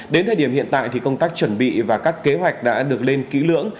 đến thời điểm hiện tại thì công tác chuẩn bị và các kế hoạch đã được lên kỹ lưỡng